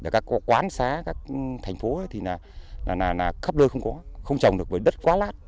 các quán xá các thành phố thì là khắp đôi không có không trồng được với đất quá lát